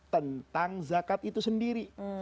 tentang zakat itu sendiri